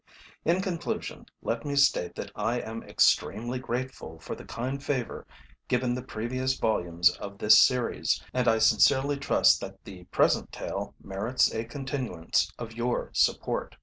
In conclusion, let me state that I am extremely grateful for the kind favor given the previous volumes of this series, and I sincerely trust that the present tale merits a continuance of your support.